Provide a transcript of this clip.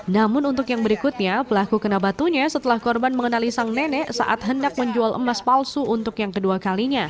namun untuk yang berikutnya pelaku kena batunya setelah korban mengenali sang nenek saat hendak menjual emas palsu untuk yang kedua kalinya